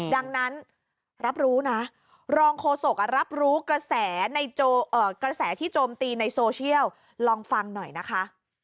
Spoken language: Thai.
ดังนั้นรองโฆษกรรับรู้กระแสที่โจมตีในโซเชียลลองฟังหน่อยนะคะ